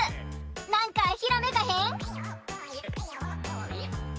なんかひらめかへん？